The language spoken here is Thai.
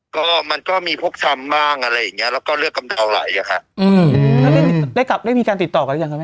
ก็มันก็มีพกช้ำบ้างอะไรอย่างเงี้แล้วก็เลือกกำเพราไหลอะค่ะอืมแล้วได้ได้กลับได้มีการติดต่อกันหรือยังคะแม่